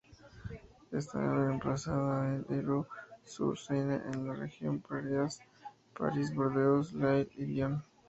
Está emplazada en Ivry-sur-Seine, en la región parisiense, París, Burdeos, Lille y Lyon.